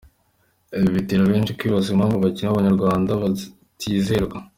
Ibi bitera beshi kwibaza impamvu abakinnyi b’Abanyarwanda batizerwa ?.